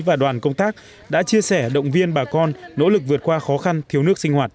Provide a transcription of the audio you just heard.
và đoàn công tác đã chia sẻ động viên bà con nỗ lực vượt qua khó khăn thiếu nước sinh hoạt